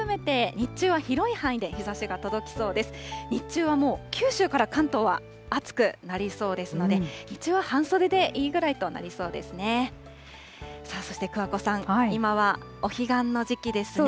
日中はもう九州から関東は暑くなりそうですので、日中は半袖でいいぐらいとなりそうですね。